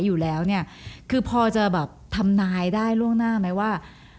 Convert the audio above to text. อยู่แล้วพอจะแบบทำนายได้ล่วงหน้าไหมว่า